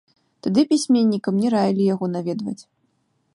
Тады пісьменнікам не раілі яго наведваць.